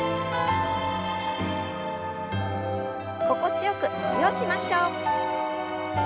心地よく伸びをしましょう。